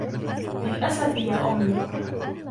للاسف يا أمي.